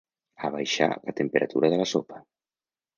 Abaixà la temperatura de la sopa.